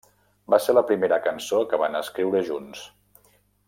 Va ser la primera cançó que van escriure junts.